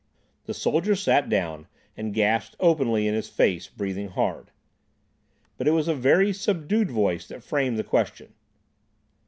The soldier sat down and gasped openly in his face, breathing hard; but it was a very subdued voice that framed the question.